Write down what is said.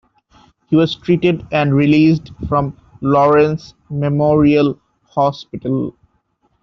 He was treated and released from Lawrence Memorial Hospital.